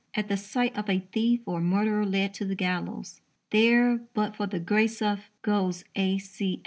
at the sight of a thief or murderer led to the gallows: "There, but for the grace of , goes A.